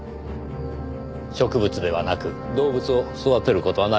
植物ではなく動物を育てる事はないのですか？